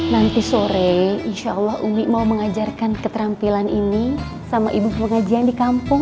nanti sore insya allah umi mau mengajarkan keterampilan ini sama ibu pengajian di kampung